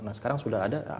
nah sekarang sudah ada